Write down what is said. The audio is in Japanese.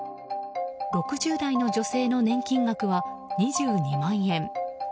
６０代の女性の年金額は２２万円。